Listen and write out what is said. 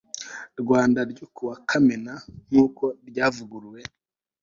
rwanda ryo ku wa kamena nk uko ryavuguruwe